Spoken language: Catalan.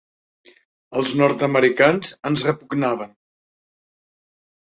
Els nord-americans ens repugnaven.